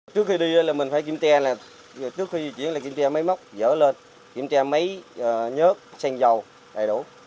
trước khi đi là mình phải kiểm tra là trước khi di chuyển là kiểm tra máy móc dở lên kiểm tra máy nhớt xanh dầu đầy đủ